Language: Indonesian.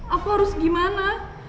aku harus gimana